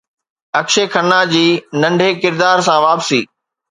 اڪشي کنا جي ننڍي ڪردار سان واپسي